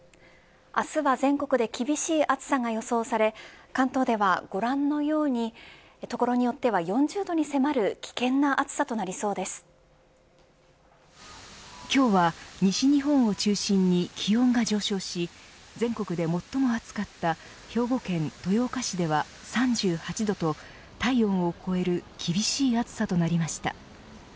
明日は全国で厳しい暑さが予想され関東ではご覧のように所によっては４０度に迫る今日は、西日本を中心に気温が上昇し全国で最も暑かった兵庫県豊岡市では３８度と、体温を超える厳しい暑さとなりました。